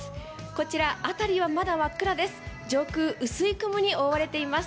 こちら辺りはまだ真っ暗です。